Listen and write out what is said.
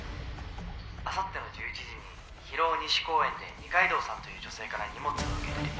明後日の１１時に広尾西公園で二階堂さんという女性から荷物を受け取り